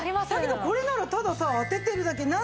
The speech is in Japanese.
だけどこれならたださ当ててるだけ。